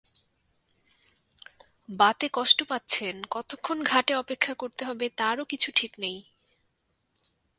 বাতে কষ্ট পাচ্ছেন, কতক্ষণ ঘাটে অপেক্ষা করতে হবে তারও কিছু ঠিক নেই।